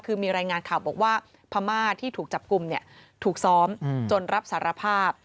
คือมีรายงานข่าวบอกว่าพม่าที่ถูกจับกลุ่มถูกซ้อมจนรับสารภาพ